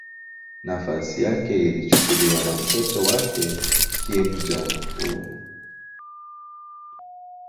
Nafasi yake ilichukuliwa na mtoto wake Kim Jong-un.